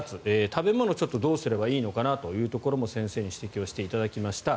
食べ物どうすればいいのかというところも先生に指摘してもらいました。